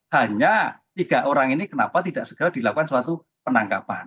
hanya tiga orang ini kenapa tidak segera dilakukan suatu penangkapan